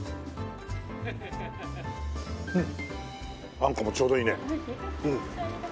んっあんこもちょうどいいね。